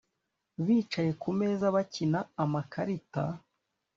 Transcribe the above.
Bicaye kumeza bakina amakarita